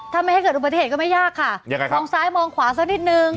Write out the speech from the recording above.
ถ้าไม่ให้เกิดอุบัติเหตุก็ไม่ยากค่ะยังไงครับมองซ้ายมองขวาสักนิดนึง